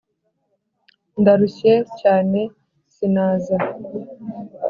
ndarushye.cyane sinaza